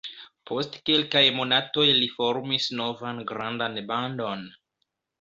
Post kelkaj monatoj li formis novan grandan bandon.